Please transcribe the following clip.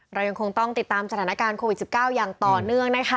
เรายังคงต้องติดตามสถานการณ์โควิด๑๙อย่างต่อเนื่องนะคะ